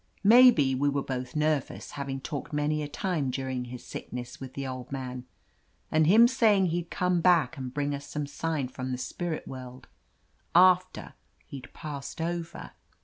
Maybe we were both nervous, having talked many a time dur ing his sickness with the old man, and him say ing he'd come back and bring us some sign from the spirit world, after he'd 'jpassed over.'